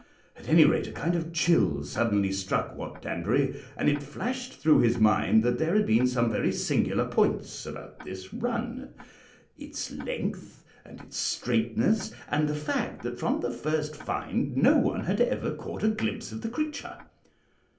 At any rate a kind of chill suddenly struck Wat Danbury, and it flashed through his mind that there had been some very singular points about this run its length and its straightness, and the fact that from the first find no one had ever caught a glimpse of the creature.